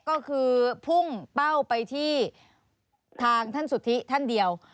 ก็คือพุ่งเป้าไปที่ทางท่านสุธิท่านเดียว